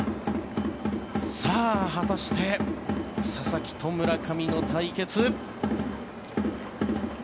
果たして佐々木と村上の対決。